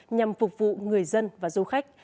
nhằm phục vụ người dân và du khách